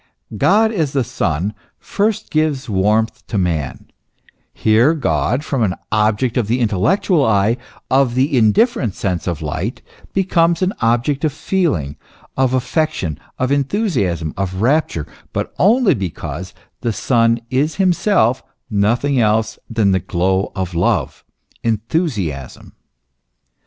God as the Son first gives warmth to man ; here God, from an object of the intellectual eye, of the indifferent sense of light, becomes an object of feeling, of affection, of enthusiasm, of rapture ; but only because the Son is himself nothing else than the glow of love, enthusiasm.